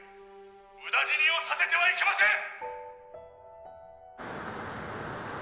「無駄死にをさせてはいけません！」